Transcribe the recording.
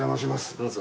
どうぞ。